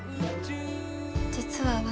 実は私。